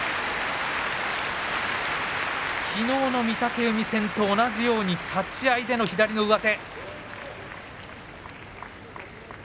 きのうの御嶽海戦と同じように立ち合いでの左の上手。